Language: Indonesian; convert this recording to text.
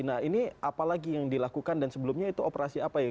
nah ini apalagi yang dilakukan dan sebelumnya itu operasi apa ya